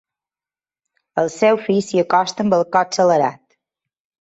El seu fill s'hi acosta amb el cor accelerat.